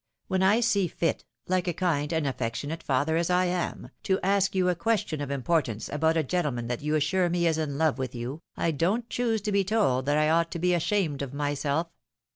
When I see fit, like a kind and affectionate father as I am, to ask you a question of importance about a gentleman that you assure me is in love with you, I don't choose to be told that I ought to be ashamed of myself.